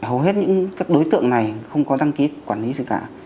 hầu hết những các đối tượng này không có đăng ký quản lý gì cả